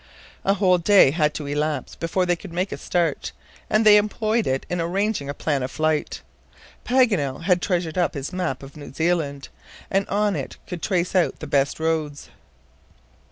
A whole day had to elapse before they could make a start, and they employed it in arranging a plan of flight. Paganel had treasured up his map of New Zealand, and on it could trace out the best roads.